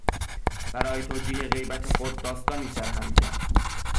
برای توجیه غیبت خود داستانی سرهم کرد.